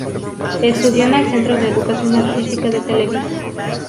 Estudió en el Centro de Educación Artística de Televisa.